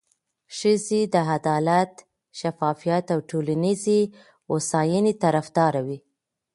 ښځې د عدالت، شفافیت او ټولنیزې هوساینې طرفداره وي.